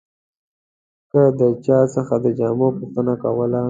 که د چا څخه د جامو پوښتنه کوله.